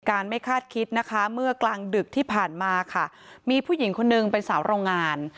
ไม่คาดคิดนะคะเมื่อกลางดึกที่ผ่านมาค่ะมีผู้หญิงคนนึงเป็นสาวโรงงาน